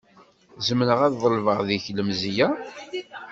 Zemreɣ ad ḍelbeɣ deg-k lemzeyya?